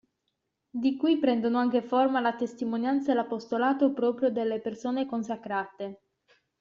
Di qui prendono anche forma la testimonianza e l'apostolato proprio delle persone consacrate.